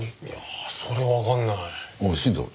いやそれはわかんない。